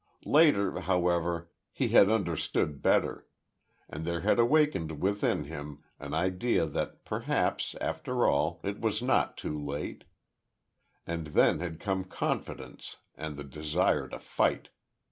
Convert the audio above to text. Later, however, he had understood better; and there had awakened within him an idea that perhaps, after all, it was not too late and then had come confidence, and the desire to fight.